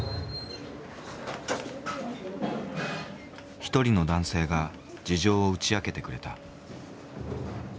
一人の男性が事情を打ち明けてくれた。